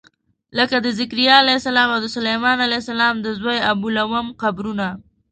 لکه د ذکریا علیه السلام او د سلیمان علیه السلام د زوی ابولوم قبرونه.